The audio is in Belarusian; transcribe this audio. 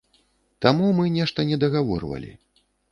Таму мы нешта не дагаворвалі.